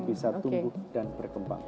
bisa tumbuh dan berkembang